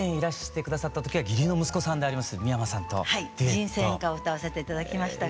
「人生援歌」を歌わせて頂きましたけど。